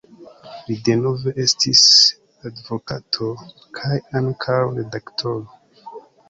Li denove estis advokato kaj ankaŭ redaktoro.